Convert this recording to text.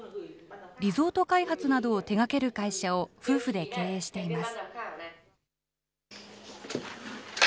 リゾート開発などを手がける会社を夫婦で経営しています。